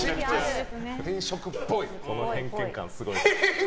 この偏見感すごい。